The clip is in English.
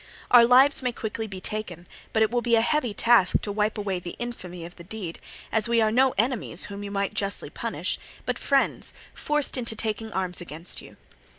Our lives may be quickly taken, but it will be a heavy task to wipe away the infamy of the deed; as we are no enemies whom you might justly punish, but friends forced into taking arms against you.